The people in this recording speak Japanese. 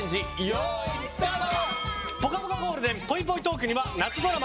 よーい、スタート！